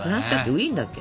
ウィーンだっけ？